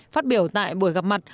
phát biểu tại buổi gặp mặt